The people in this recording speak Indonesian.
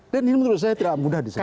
dan ini menurut saya tidak mudah disediakan